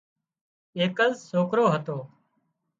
ايڪز سوڪرو هتو